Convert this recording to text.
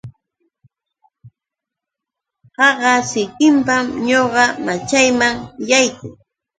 Qaqa sikinpam ñuqa machayman yaykuu.